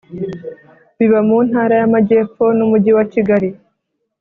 Biba mu Ntara y’Amajyepfo n’Umujyi wa Kigali